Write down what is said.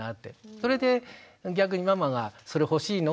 それで逆にママがそれ欲しいの？